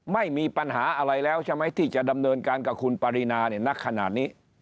ไม่มีปัญหาอะไรแล้วใช่ไหมที่จะดำเนินการกับคุณปรินาเนี่ยนักขนาดนี้